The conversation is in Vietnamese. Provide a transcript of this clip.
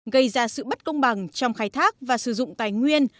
gây ra sự bất công bằng trong khai thác và sử dụng tài nguyên